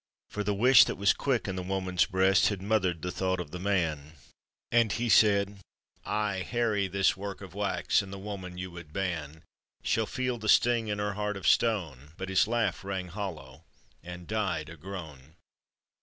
For the wish that was quick in the woman's breast Had mothered the thought of the man, And he said: "Ay, harry this work of wax, And the woman you would ban Shall feel the sting in her heart of stone." But his laugh rang hollow, and died a groan.